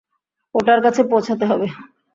ওটার কাছে পৌঁছাতে হবে।